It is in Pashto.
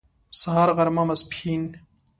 سهار غرمه ماسپښين